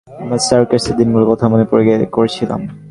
আমার সার্কাসের দিনগুলোর কথা মনে করছিলাম।